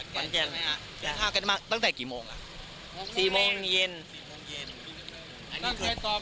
เดินทางกันมาตั้งแต่กี่โมงล่ะสี่โมงเย็น